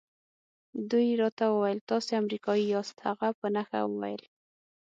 دوی راته وویل تاسي امریکایی یاست. هغه په نښه وویل.